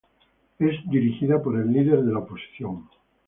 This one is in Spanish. Es dirigida por el líder de la oposición.